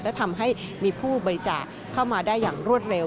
และทำให้มีผู้บริจาคเข้ามาได้อย่างรวดเร็ว